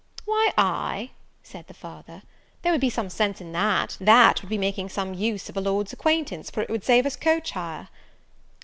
"Why, ay," said the father, "there would be some sense in that; that would be making some use of a Lord's acquaintance, for it would save us coach hire."